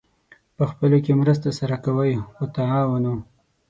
پخپلو کې مرسته سره کوئ : وتعاونوا